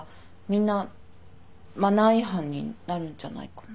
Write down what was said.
みんなマナー違反になるんじゃないかな。